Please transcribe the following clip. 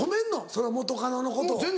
その元カノのことを。